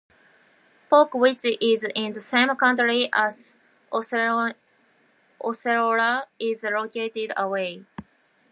Polk, which is in the same county as Osceola is located away.